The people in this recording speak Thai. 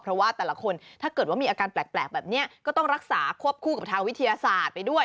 เพราะว่าแต่ละคนถ้าเกิดว่ามีอาการแปลกแบบนี้ก็ต้องรักษาควบคู่กับทางวิทยาศาสตร์ไปด้วย